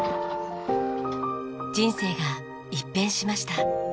人生が一変しました。